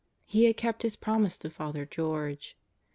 He had kept his promise to Father George.